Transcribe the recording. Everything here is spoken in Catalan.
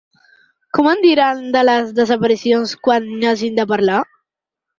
Com en diran, de les desaparicions quan n'hagin de parlar?